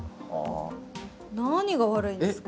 何が悪いんですかね。